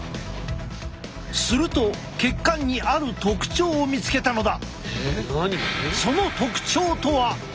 すると血管にある特徴を見つけたのだ。